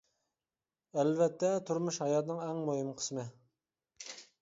ئەلۋەتتە، تۇرمۇش ھاياتنىڭ ئەڭ مۇھىم قىسمى.